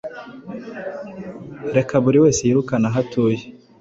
Reka buri wese yirukane aho atuye